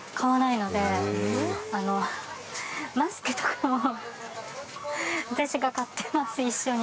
マスクとかも私が買ってます一緒に。